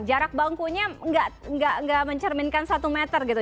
jarak bangkunya nggak mencerminkan satu meter gitu